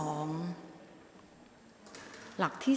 ออกรางวัลเลขหน้า๓ตัวครั้งที่๑ค่ะ